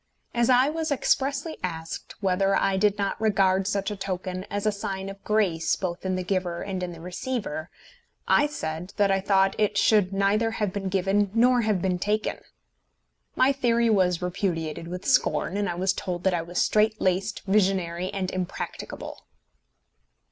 As I was expressly asked whether I did not regard such a token as a sign of grace both in the giver and in the receiver, I said that I thought it should neither have been given nor have been taken. My theory was repudiated with scorn, and I was told that I was strait laced, visionary, and impracticable!